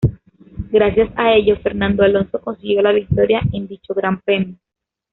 Gracias a ello, Fernando Alonso consiguió la victoria en dicho gran premio.